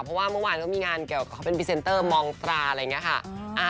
เพราะว่าเมื่อวานต้องมีงานเค้าส่งสังพัฒนาต่อมองตาอะไรอย่างนี้ค่ะ